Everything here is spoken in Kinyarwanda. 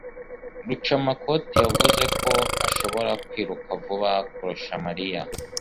Rucamakoti yavuze ko ashobora kwiruka vuba kurusha Mariya